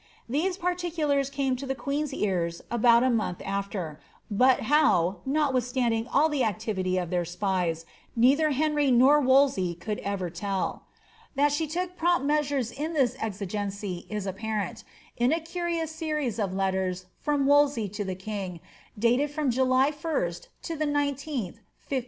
These particulars came to the quecn^s ears about a month aAer, but how, notwithstanding all the activity of their spies, neither Henry nor Wolsey could ever tell. That she took prompt measures in this exigence is apparent, in a curious series of letters from Wolsey to the king, dated from July 1st to the 19th, 15*^7.